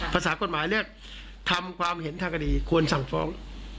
ภาษากฎหมายเนี่ยทำความเห็นทางคดีควรสั่งฟ้อง